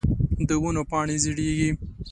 د ونو پاڼی زیړیږې